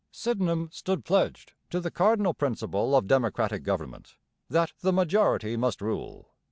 Sydenham stood pledged to the cardinal principle of democratic government, that the majority must rule.